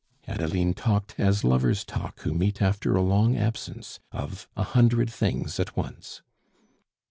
Adeline talked as lovers talk who meet after a long absence, of a hundred things at once.